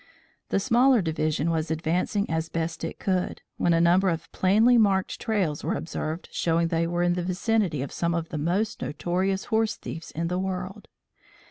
The smaller division was advancing as best it could, when a number of plainly marked trails were observed showing they were in the vicinity of some of the most notorious horse thieves in the world.